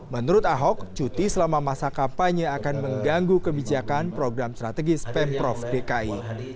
menurut ahok cuti selama masa kampanye akan mengganggu kebijakan program strategis pemprov dki